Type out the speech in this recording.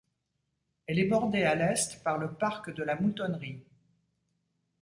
Elle est bordée à l'est par le parc de la Moutonnerie.